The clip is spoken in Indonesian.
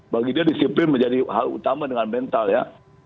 bagi dia disiplin menjadi hal utama dengan mental ya